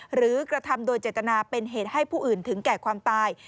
หรือกระทำโดยเจตนาเป็นเหตุให้ผู้อื่นถึงแก่ความตาย